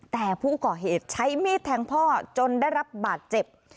แต่ผู้ก่อเหตุใช้มีดแทงพ่อจนได้รับบาดเจ็บ